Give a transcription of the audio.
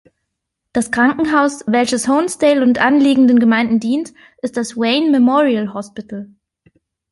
Das Krankenhaus, welches Honesdale und anliegenden Gemeinden dient, ist das Wayne Memorial Hospital.